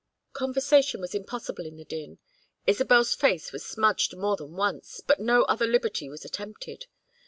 Conversation was impossible in the din. Isabel's face was smudged more than once, but no other liberty was attempted.